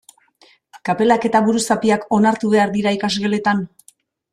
Kapelak eta buruzapiak onartu behar dira ikasgeletan?